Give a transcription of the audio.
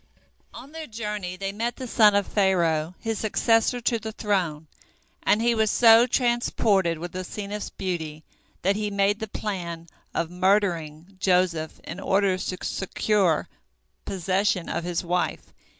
On their journey they met the son of Pharaoh, his successor to the throne, and he was so transported with Asenath's beauty, that he made the plan of murdering Joseph in order to secure possession of his wife.